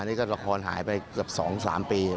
นี่ก็ละครหายไปเกือบ๒๓ปี